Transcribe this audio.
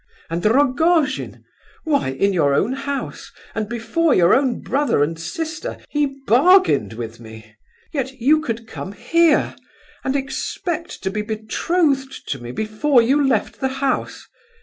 And Rogojin! Why, in your own house and before your own brother and sister, he bargained with me! Yet you could come here and expect to be betrothed to me before you left the house!